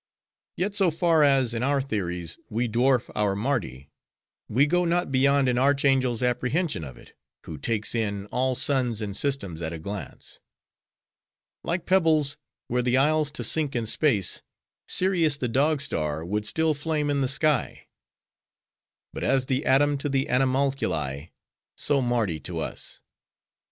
Yet so far as, in our theories, we dwarf our Mardi; we go not beyond an archangel's apprehension of it, who takes in all suns and systems at a glance. Like pebbles, were the isles to sink in space, Sirius, the Dog star, would still flame in the sky. But as the atom to the animalculae, so Mardi to us.